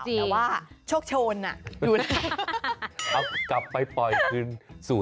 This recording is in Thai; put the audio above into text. แต่ว่าโชคโชนน่ะดู